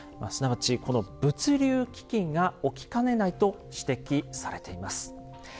すなわちこの「物流危機」が起きかねないと指摘されています。